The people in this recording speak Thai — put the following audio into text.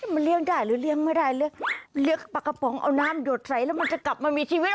มันเลี้ยงได้หรือเลี้ยงไม่ได้เลี้ยงปลากระป๋องเอาน้ำหยดใส่แล้วมันจะกลับมามีชีวิต